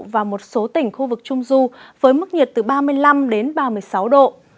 và một số tỉnh khu vực trung du với mức nhiệt từ ba mươi năm đến ba mươi sáu độ